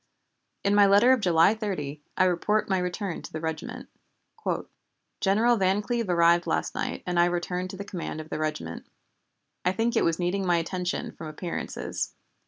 In my letter of July 30, I report my return to the regiment: "General Van Cleve arrived last night and I returned to the command of the regiment. I think it was needing my attention from appearances.